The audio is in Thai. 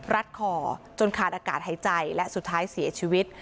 รัดคอจนขาดอากาศหายใจและสุดท้ายเสียชีวิต